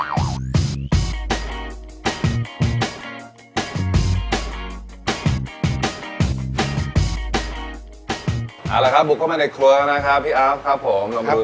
อัลละครับบุกเม้นในครัวครับพี่อาฟครับผม